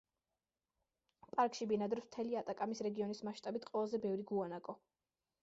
პარკში ბინადრობს მთელი ატაკამის რეგიონის მასშტაბით ყველაზე ბევრი გუანაკო.